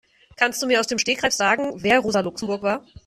Kannst du mir aus dem Stegreif sagen, wer Rosa Luxemburg war?